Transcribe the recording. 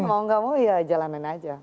mau gak mau ya jalanin aja